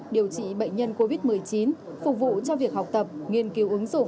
điều trị bệnh nhân covid một mươi chín phục vụ cho việc học tập nghiên cứu ứng dụng